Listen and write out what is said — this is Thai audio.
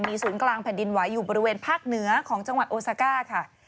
ศูนย์กลางแผ่นดินไหวอยู่บริเวณภาคเหนือของจังหวัดโอซาก้าค่ะ